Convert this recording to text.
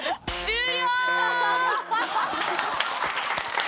終了！